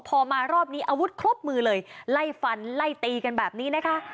พอมารอบนี้อาวุธครบมือเลยไล่ฟันไล่ตีกันแบบนี้นะคะ